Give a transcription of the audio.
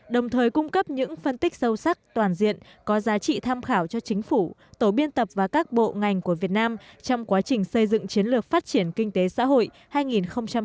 đồng thời cung cấp những phân tích sâu sắc toàn diện có giá trị tham khảo cho chính phủ tổ biên tập và các bộ ngành của việt nam trong quá trình xây dựng chiến lược phát triển kinh tế xã hội hai nghìn một mươi một hai nghìn ba mươi